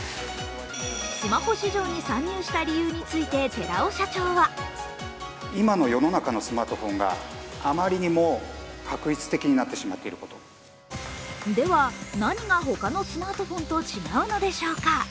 スマホ市場に参入した理由について寺尾社長はでは、何が他のスマートフォンと違うのでしょうか？